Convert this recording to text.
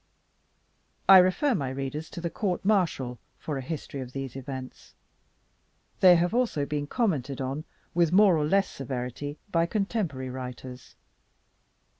I refer my readers to the court martial for a history of these events: they have also been commented on, with more or less severity, by contemporary writers.